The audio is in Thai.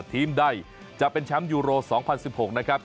ทีมใดจะเป็นแชมป์ยูโร๒๐๑๖นะครับ